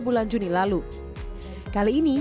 bulan juni lalu kali ini